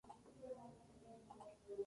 Es el equipo más laureado del país.